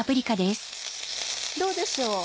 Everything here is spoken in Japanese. どうでしょう。